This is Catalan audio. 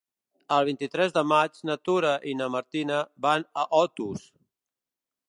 El vint-i-tres de maig na Tura i na Martina van a Otos.